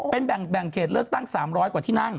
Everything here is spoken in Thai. เป็นแบ่งเขตเลือกตั้ง๓๐๐กว่าที่นั่ง